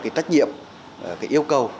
cái trách nhiệm cái yêu cầu